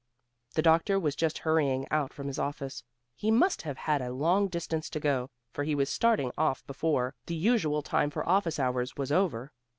The doctor was just hurrying out from his office; he must have had a long distance to go, for he was starting off before the usual time for office hours was over.